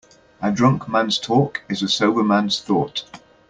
A drunk man's talk is a sober man's thought.